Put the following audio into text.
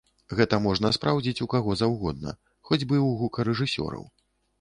Гэта можна спраўдзіць у каго заўгодна, хоць бы і ў гукарэжысёраў.